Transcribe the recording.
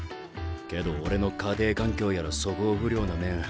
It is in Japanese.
けど俺の家庭環境やら素行不良な面